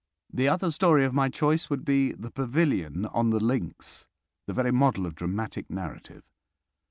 The other story of my choice would be "The Pavilion on the Links"—the very model of dramatic narrative.